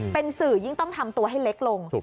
เป็นสื่อยิ่งต้องทำตัวให้เล็กลง